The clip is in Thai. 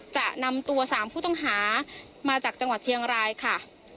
จะนำตัว๓ผู้ต้องหามาจากจังหวัดเชียงรายค่ะ